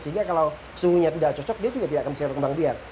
sehingga kalau suhunya tidak cocok dia juga tidak akan bisa berkembang biak